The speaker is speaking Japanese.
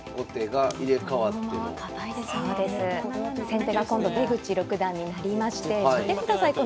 先手が今度出口六段になりまして見てください